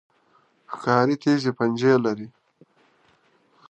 ښکاري تیز پنجې لري.